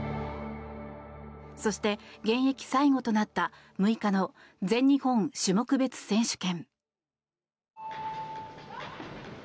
そして、現役最後となった６日の全日本種目別選手権。